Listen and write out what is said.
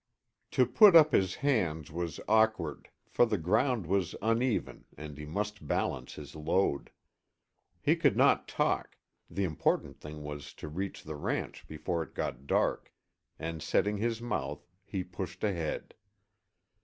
To put up his hands was awkward, for the ground was uneven, and he must balance his load. He could not talk, the important thing was to reach the ranch before it got dark, and setting his mouth, he pushed ahead.